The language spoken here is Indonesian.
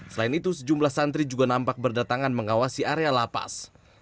selain itu sejumlah santri juga nampak berdatangan mengawasi area lapas